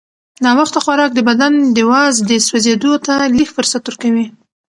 ناوخته خوراک د بدن د وازدې سوځېدو ته لږ فرصت ورکوي.